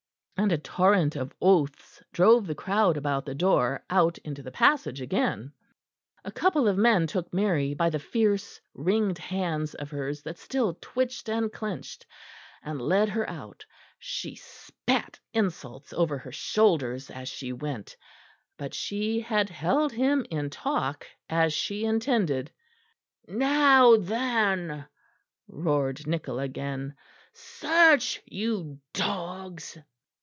And a torrent of oaths drove the crowd about the door out into the passage again. A couple of men took Mary by the fierce ringed hands of hers that still twitched and clenched, and led her out; she spat insults over her shoulders as she went. But she had held him in talk as she intended. "Now then," roared Nichol again, "search, you dogs!"